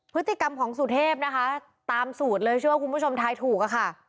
พฤติกรรมของสุเทพนะคะตามสูตรเลยเชื่อว่าคุณผู้ชมทายถูกอะค่ะ